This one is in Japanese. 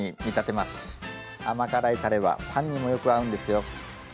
甘辛いたれはパンにもよく合うんですよ。